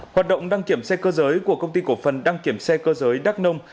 hoạt động đăng kiểm xe cơ giới của công ty cổ phần đăng kiểm xe cơ giới đắc nông